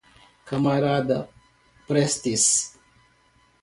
Camarada Prestes